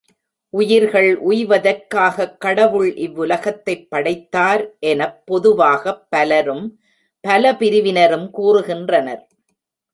உயிர்கள் உய்வதற்காகக் கடவுள் இவ்வுலகத்தைப் படைத்தார் எனப் பொதுவாகப் பலரும் பல பிரிவினரும் கூறுகின்றனர்.